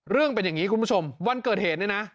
เรื่องเป็นอย่างนี้คุณผู้ชมวันเกิดเหตุเนี่ยนะ